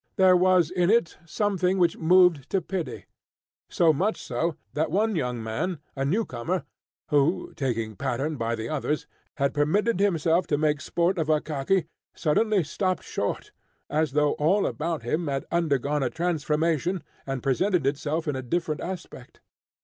There was in it something which moved to pity; so much so that one young man, a newcomer, who, taking pattern by the others, had permitted himself to make sport of Akaky, suddenly stopped short, as though all about him had undergone a transformation, and presented itself in a different aspect.